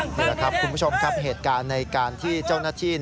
นี่แหละครับคุณผู้ชมครับเหตุการณ์ในการที่เจ้าหน้าที่